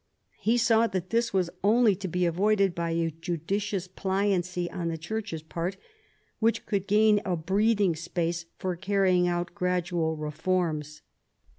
He saw that this was only to be avoided by a judicious pliancy on the Church's part, which coidd gain a breathing space for carrying out gradual reforms.